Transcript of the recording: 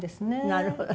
なるほど。